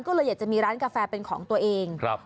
ก็เลยอยากจะมีร้านกาแฟเป็นของตัวเอง